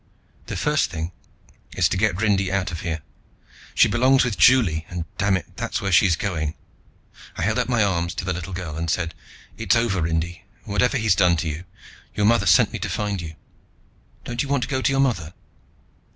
"The first thing is to get Rindy out of here. She belongs with Juli and, damn it, that's where she's going." I held out my arms to the little girl and said, "It's over, Rindy, whatever he's done to you. Your mother sent me to find you. Don't you want to go to your mother?"